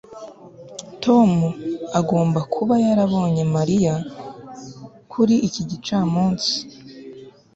tom agomba kuba yarabonye mariya kuri iki gicamunsi